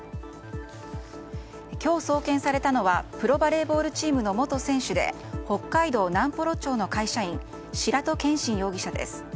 今日、送検されたのはプロバレーボールチームの元選手で北海道南幌町の会社員白戸謙伸容疑者です。